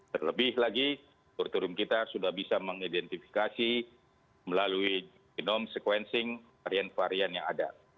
terlebih lagi laboratorium kita sudah bisa mengidentifikasi melalui genome sequencing varian varian yang ada